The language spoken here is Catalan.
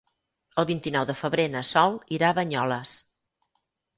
El vint-i-nou de febrer na Sol irà a Banyoles.